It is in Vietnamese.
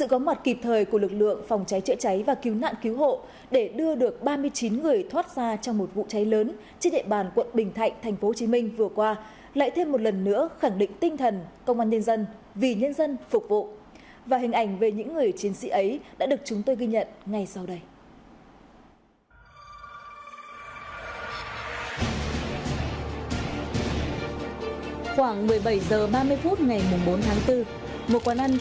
sự có mặt kịp thời của lực lượng phòng cháy chữa cháy và cứu nạn cứu hộ để đưa được ba mươi chín người thoát ra trong một vụ cháy lớn trên địa bàn quận bình thạnh tp hcm vừa qua lại thêm một lần nữa khẳng định tinh thần công an nhân dân vì nhân dân phục vụ và hình ảnh về những người chiến sĩ ấy đã được chúng tôi ghi nhận ngay sau đây